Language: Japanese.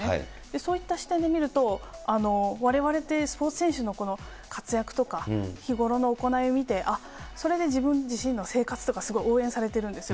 そういった視点で見ると、われわれってスポーツ選手の活躍とか、日頃の行いを見て、あっ、それで自分自身の生活とかすごい応援されてるんですよ。